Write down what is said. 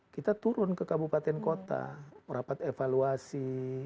kita turun ke kabupaten kota merapat evaluasi